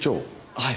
はい。